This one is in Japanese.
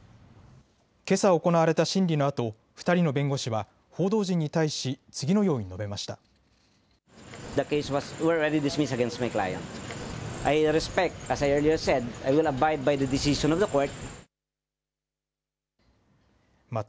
けさ行われた審理のあと２人の弁護士は報道陣に対し次のように述べました。